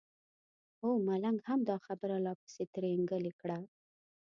هو ملنګ هم دا خبره لا پسې ترینګلې کړه.